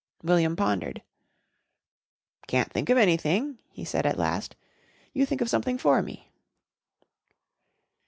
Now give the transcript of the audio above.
William pondered. "Can't think of anything," he said at last. "You think of something for me."